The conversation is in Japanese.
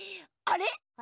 あれ？